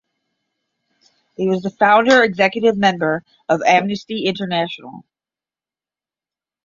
He was the founder executive member of Amnesty International.